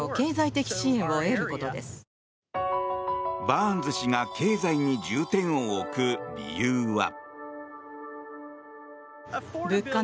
バーンズ氏が経済に重点を置く理由は。